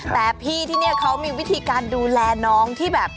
แต่พี่ที่นี่เขามีวิธีการดูแลน้องที่แบบ